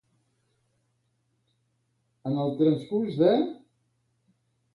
En el transcurs de.